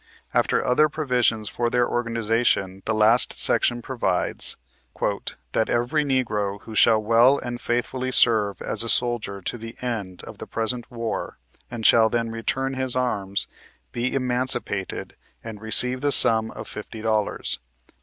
After other provisions for their organization the last section provides, "That every Negro who shall well and faithfully serve as a soldier to the end of the present war, and shall then return his arms, be emanci pated, and receive the sum of fifty dollars."